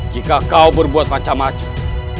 jika kau berbuat macam macam